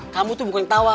kamu tuh bukan yang tawa